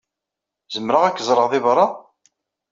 Zemreɣ ad k-ẓreɣ deg beṛṛa?